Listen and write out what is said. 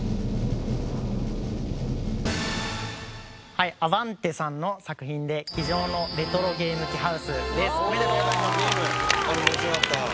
はいアバンテさんの作品で『机上のレトロゲーム機ハウス』です！あれ面白かった。